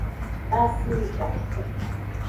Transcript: Pasingja.